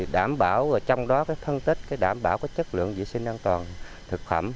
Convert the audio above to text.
đảm bảo trong đó thân tích đảm bảo chất lượng vệ sinh an toàn thực phẩm